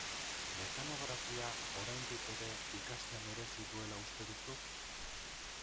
Mekanografia, oraindik ere, ikastea merezi duela uste duzu?